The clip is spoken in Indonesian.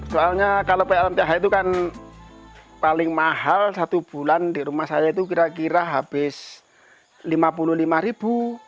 soalnya kalau pln th itu kan paling mahal satu bulan di rumah saya itu kira kira habis rp lima puluh lima ribu